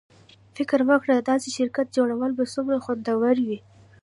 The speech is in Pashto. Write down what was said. فکر وکړه چې د داسې شرکت جوړول به څومره خوندور وي